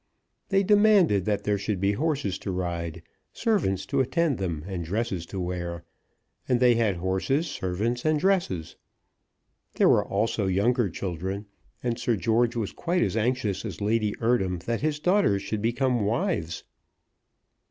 They demanded that there should be horses to ride, servants to attend them, and dresses to wear; and they had horses, servants, and dresses. There were also younger children; and Sir George was quite as anxious as Lady Eardham that his daughters should become wives.